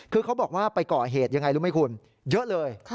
คือเขาบอกว่าไปก่อเหตุยังไงรู้ไหมคุณเยอะเลย